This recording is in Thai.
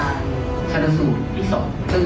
พอศพมาถือเปิดโสดแล้ว